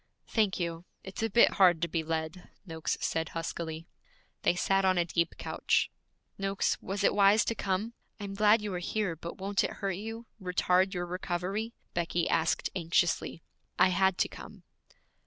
'Thank you. It's a bit hard to be led,' Noakes said huskily. They sat on a deep couch. 'Noakes, was it wise to come? I am glad you are here, but won't it hurt you, retard your recovery?' Becky asked anxiously. 'I had to come.'